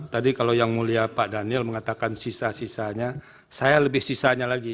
tadi kalau yang mulia pak daniel mengatakan sisa sisanya saya lebih sisanya lagi